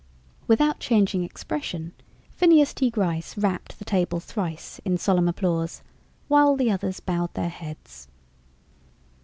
Without changing expression, Phineas T. Gryce rapped the table thrice in solemn applause, while the others bowed their heads.